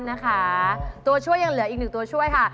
นะคะตัวช่วยยังเหลืออีกหนึ่งตัวช่วยค่ะ